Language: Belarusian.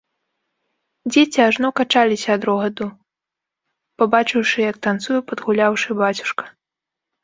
Дзеці ажно качаліся ад рогату, пабачыўшы, як танцуе падгуляўшы бацюшка.